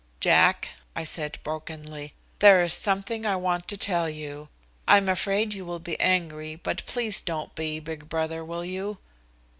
"Jack," I said brokenly, "there is something I want to tell you I'm afraid you will be angry, but please don't be, big brother, will you?"